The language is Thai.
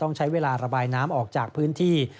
ต้องใช้เวลาระบายน้ำออกจากพื้นที่